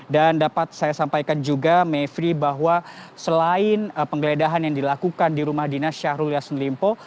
dan dapat saya sampaikan juga mevry bahwa selain penggeledahan yang dilakukan di rumah dinas syahrul yasin limpo